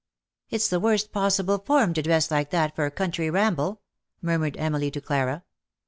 " It's the worst possible form to dress like that for a country ramble/' murmured Emily to Clara.